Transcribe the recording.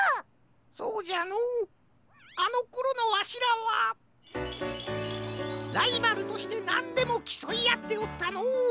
そうじゃのうあのころのわしらはライバルとしてなんでもきそいあっておったのう。